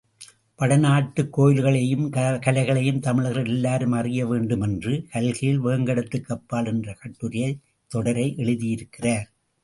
வடநாட்டுக் கோயில்களையும், கலைகளையும் தமிழர்கள் எல்லோரும் அறிய வேண்டுமென்று, கல்கியில் வேங்கடத்துக்கு அப்பால் என்ற கட்டுரைத் தொடரை எழுதியிருக்கிறார்.